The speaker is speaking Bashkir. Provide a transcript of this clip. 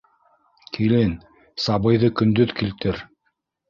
Килен, сабыйҙы көндөҙ килтер.